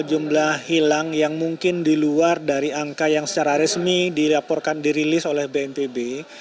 jumlah hilang yang mungkin di luar dari angka yang secara resmi dilaporkan dirilis oleh bnpb